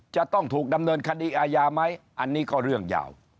จะต้องถูกดำเนินคดีอาญาไหมอันนี้ก็เรื่องยาว